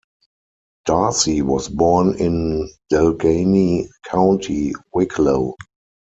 Darcy was born in Delgany, County Wicklow.